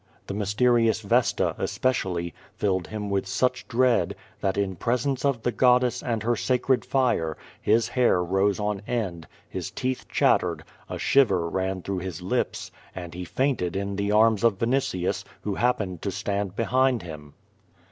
The m3^sterious Vesta, especially, filled him with sucli dread, that in presence of the goddess and her sacred fire, his hair rose on end, his teeth chattered, a shiver ran througli his lips, and he fainted in the arms of Vinitius, who happened to stand behind him.